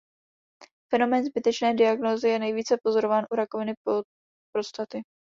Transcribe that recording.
Fenomén zbytečné diagnózy je nejvíce pozorován u rakoviny prostaty.